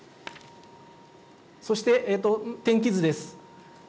そして、天気図です。